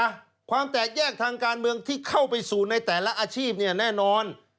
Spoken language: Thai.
อ่ะความแตกแยกทางการเมืองที่เข้าไปสู่ในแต่ละอาชีพเนี่ยแน่นอน